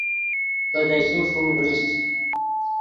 بیدشے ݰو ڤریشچ